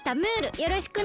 よろしくね。